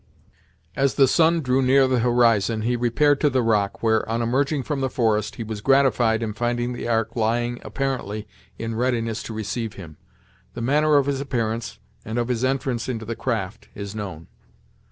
As the sun drew near the horizon he repaired to the rock, where, on emerging from the forest, he was gratified in finding the Ark lying, apparently in readiness to receive him. The manner of his appearance, and of his entrance into the craft is known.